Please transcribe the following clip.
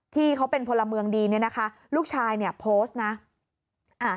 ที่เขาเป็นพลเมืองดีลูกชายโพสต์นะ